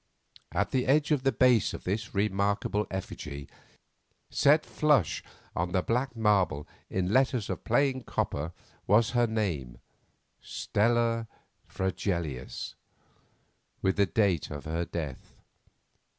At the edge of the base of this remarkable effigy, set flush on the black marble in letters of plain copper was her name—Stella Fregelius—with the date of her death.